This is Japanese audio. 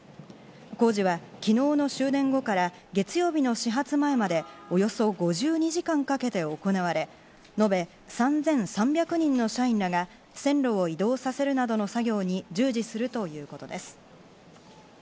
工事は昨日の終電後から月曜日の始発前まで、およそ５２時間かけて行われ、のべ３３００人の社員らが線路を移動させるなどの作業に従事するということです。